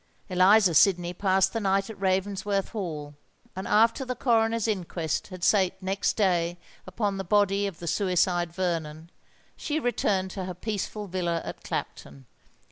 Eliza Sydney passed the night at Ravensworth Hall; and, after the Coroner's Inquest had sate next day upon the body of the suicide Vernon, she returned to her peaceful villa at Clapton.